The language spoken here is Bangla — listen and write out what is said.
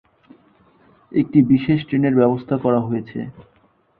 একটি বিশেষ ট্রেনের ব্যবস্থা করা হয়েছে।